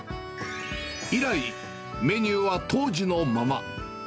以来、メニューは当時のまま。